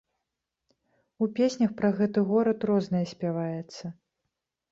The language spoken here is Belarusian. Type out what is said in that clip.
У песнях пра гэты горад рознае спяваецца.